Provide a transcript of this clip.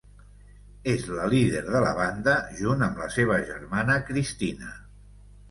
És la líder de la banda junt amb la seva germana Cristina.